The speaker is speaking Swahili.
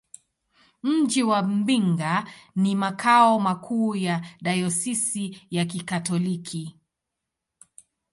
Mji wa Mbinga ni makao makuu ya dayosisi ya Kikatoliki.